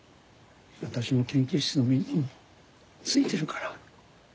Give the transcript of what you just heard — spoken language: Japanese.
私も研究室のみんなもついてるから。